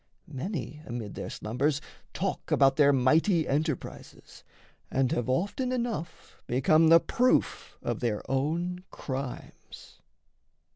Many amid their slumbers talk about Their mighty enterprises, and have often Enough become the proof of their own crimes.